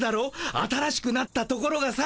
新しくなったところがさ。